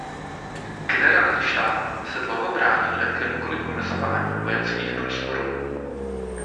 Generální štáb se dlouho bránil jakémukoliv omezování vojenských prostorů.